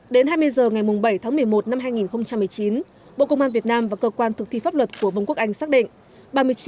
đến hai mươi h ngày bảy tháng một mươi một năm hai nghìn một mươi chín bộ công an việt nam và cơ quan thực thi pháp luật của vương quốc anh xác định